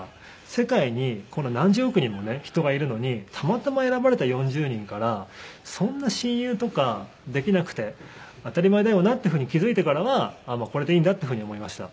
世界に何十億人もね人がいるのにたまたま選ばれた４０人からそんな親友とかできなくて当たり前だよなっていうふうに気付いてからはこれでいいんだっていうふうに思いました。